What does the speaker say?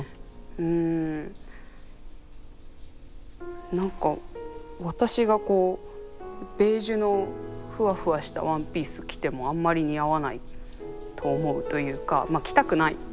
うん何か私がこうベージュのふわふわしたワンピース着てもあんまり似合わないと思うというかまっ着たくない。